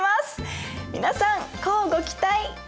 皆さん乞うご期待！